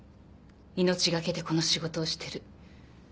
命懸けでこの仕事をしてる。